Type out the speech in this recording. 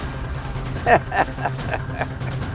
kematian itu adalah milik allah